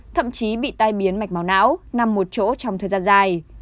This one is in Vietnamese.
thậm chí bị tai biến mạch máu não nằm một chỗ trong thời gian dài